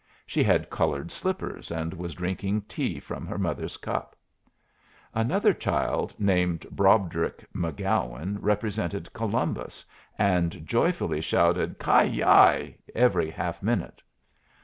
She had colored slippers, and was drinking tea from her mother's cup. Another child, named Broderick McGowan, represented Columbus, and joyfully shouted "Ki yi!" every half minute.